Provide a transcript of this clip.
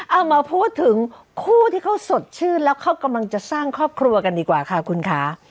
เอามาพูดถึงคู่ที่เขาสดชื่นแล้วเขากำลังจะสร้างครอบครัวกันดีกว่าค่ะคุณค่ะ